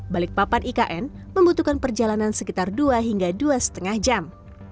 balikpapan ikn membutuhkan perjalanan sekitar dua hingga dua lima jam